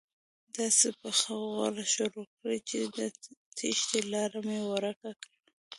داسې پخه غوره شروع کړي چې د تېښتې لاره مې ورکه کړي.